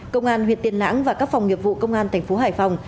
công an huyện tiên lãng và các phòng nghiệp vụ công an thành phố hải phòng